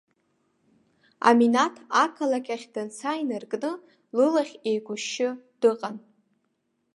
Аминаҭ ақалақь ахь данца инаркны, лылахь еиқәышьшьы дыҟан.